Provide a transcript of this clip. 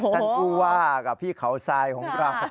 ท่านผู้ว่ากับพี่เขาทรายของเรา